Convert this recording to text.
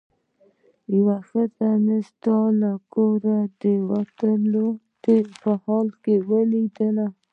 یوه ښځه مې ستا له کوره د وتو په حال کې ولیدله.